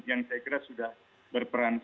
yang saya kira sudah berperan ke atas